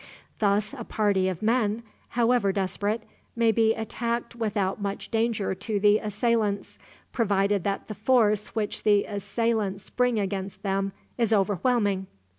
Thus a party of men, however desperate, may be attacked without much danger to the assailants, provided that the force which the assailants bring against them is overwhelming.